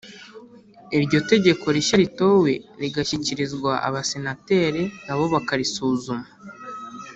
iryo tegeko rishya ritowe rigashyikirizwa abasenateri nabo bakarisuzuma